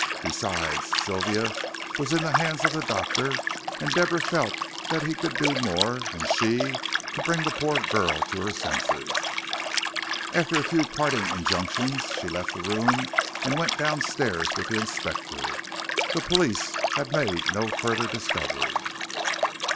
Besides, Sylvia was in the hands of the doctor, and Deborah felt that he could do more than she, to bring the poor girl to her senses. After a few parting injunctions she left the room and went downstairs with the Inspector. The police had made no further discovery.